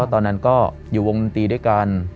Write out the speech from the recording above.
ตอนนั้นก็อยู่วงดนตรีด้วยกัน